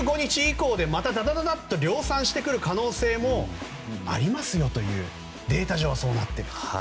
量産してくる可能性もありますよというデータ上はそうなってると。